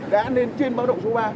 đã lên trên báo động số ba